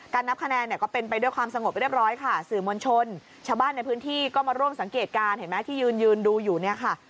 นับคะแนนเนี่ยก็เป็นไปด้วยความสงบเรียบร้อยค่ะสื่อมวลชนชาวบ้านในพื้นที่ก็มาร่วมสังเกตการณ์เห็นไหมที่ยืนยืนดูอยู่เนี่ยค่ะ